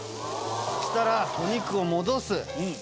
そしたらお肉を戻す。